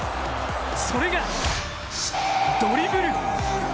それがドリブル。